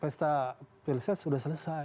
pesta pilses sudah selesai